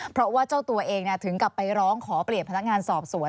เพราะว่าเจ้าตัวเองถึงกลับไปร้องขอเปลี่ยนพนักงานสอบสวน